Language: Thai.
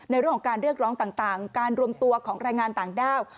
ในเรื่องของการเรียกร้องต่างการรวมตัวของแรงงานต่างด้าว